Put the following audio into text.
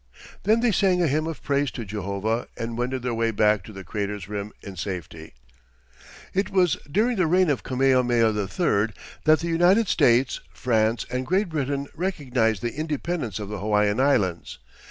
Then they sang a hymn of praise to Jehovah, and wended their way back to the crater's rim in safety. It was during the reign of Kamehameha III that the United States, France and Great Britain recognized the independence of the Hawaiian Islands.